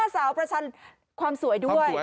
สาวประชันความสวยด้วย